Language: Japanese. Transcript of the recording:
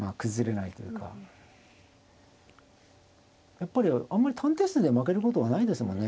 やっぱりあんまり短手数で負けることはないですもんね